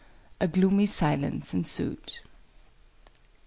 A gloomy silence ensued.